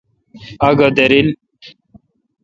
اگا دریل